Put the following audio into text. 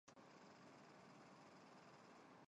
碑址现在中国吉林省集安市集安镇好太王陵东。